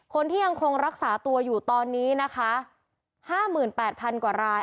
คนที่ยังคงรักษาตัวอยู่ตอนนี้นะคะ๕๘๐๐๐กว่าราย